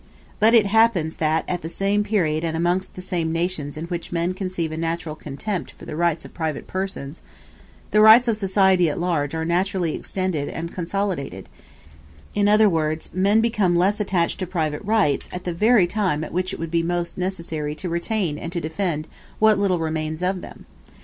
But it happens that at the same period and amongst the same nations in which men conceive a natural contempt for the rights of private persons, the rights of society at large are naturally extended and consolidated: in other words, men become less attached to private rights at the very time at which it would be most necessary to retain and to defend what little remains of them.